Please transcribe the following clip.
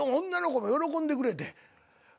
女の子も喜んでくれて。